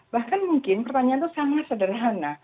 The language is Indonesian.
bahkan mungkin pertanyaan itu sangat sederhana